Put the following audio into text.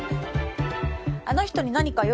あの人に何か用？